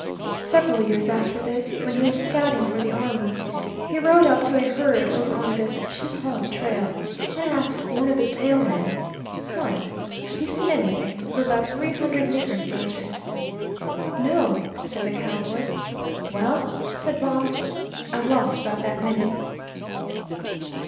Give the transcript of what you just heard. Several years after this, when he was scouting for the army, he rode up to a herd over on the Chisholm trail and asked one of the tail men: "Son, have you seen anything of about three hundred nigger soldiers?" "No," said the cowboy. "Well," said Baugh, "I've lost about that many."